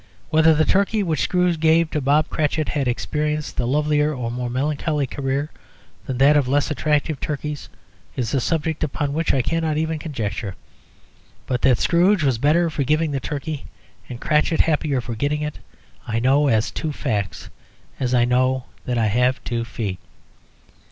Whether the turkey which Scrooge gave to Bob Cratchit had experienced a lovelier or more melancholy career than that of less attractive turkeys is a subject upon which I cannot even conjecture. But that Scrooge was better for giving the turkey and Cratchit happier for getting it I know as two facts, as I know that I have two feet.